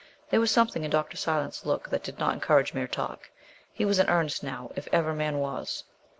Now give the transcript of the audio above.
There was something in Dr. Silence's look that did not encourage mere talk. He was in earnest now, if ever man was.